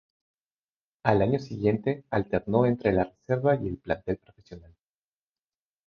Al año siguiente alternó entre la reserva y el plantel profesional.